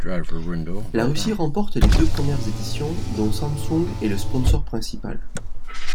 La Russie remporte les deux premières éditions dont Samsung est le sponsor principal.